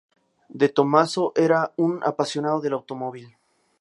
De Tomaso era un apasionado del automóvil.